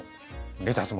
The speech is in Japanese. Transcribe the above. レタスも？